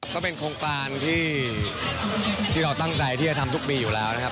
ก็เป็นโครงการที่เราตั้งใจที่จะทำทุกปีอยู่แล้วนะครับ